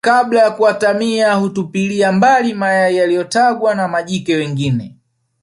kabla ya kuatamia hutupilia mbali mayai yaliyotagwa na majike wengine